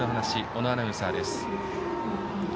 小野アナウンサーです。